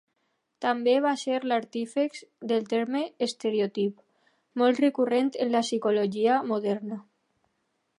També, va ser l'artífex del terme estereotip, molt recurrent en la psicologia moderna.